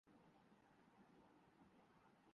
معاشی حالات اپنے زور پہ چل رہے ہیں۔